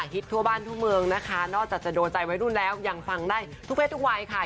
ทั่วบ้านทั่วเมืองนะคะนอกจากจะโดนใจวัยรุ่นแล้วยังฟังได้ทุกเพศทุกวัยค่ะ